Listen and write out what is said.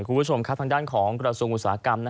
คุณผู้ชมครับทางด้านของกระทรวงอุตสาหกรรม